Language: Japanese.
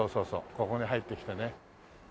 ここに入ってきてね。